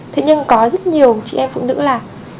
thế nhưng có rất nhiều chị em phụ nữ làm